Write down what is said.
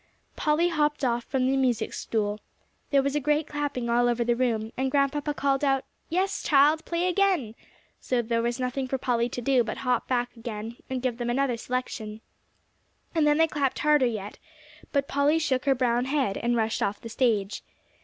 Polly hopped off from the music stool. There was a great clapping all over the room, and Grandpapa called out, "Yes, child, play again," so there was nothing for Polly to do but to hop back again and give them another selection. And then they clapped harder yet; but Polly shook her brown head, and rushed off the stage.